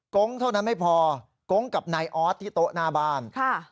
้งเท่านั้นไม่พอกง๊งกับนายออสที่โต๊ะหน้าบ้าน